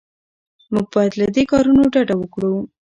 موږ باید له دې کارونو ډډه وکړو.